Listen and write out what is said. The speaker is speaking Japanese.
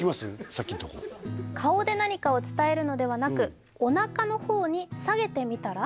さっきのとこ「顔で何かを伝えるのではなく」「おなかの方に下げてみたら？